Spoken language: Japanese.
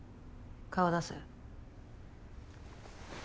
顔出せ。